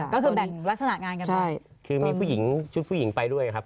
ก็คือแบ่งลักษณะงานกันไปคือมีผู้หญิงชุดผู้หญิงไปด้วยครับ